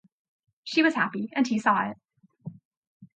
She was happy, and he saw it.